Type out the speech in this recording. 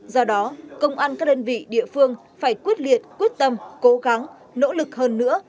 do đó công an các đơn vị địa phương phải quyết liệt quyết tâm cố gắng nỗ lực hơn nữa